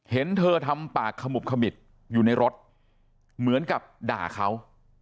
เห็นเธอทำปากขมุบขมิดอยู่ในรถเหมือนกับด่าเขา